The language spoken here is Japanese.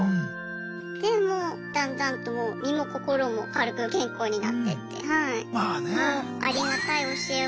でもうだんだんと身も心も軽く健康になってって。